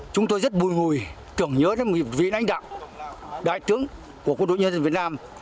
chúng tôi rất buồn ngùi tưởng nhớ đến một vị lãnh đạo đại tướng của quân đội nhân dân việt nam